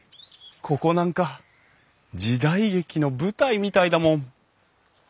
ここなんか時代劇の舞台みたいだもん。